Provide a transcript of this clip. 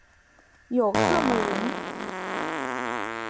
有这么灵？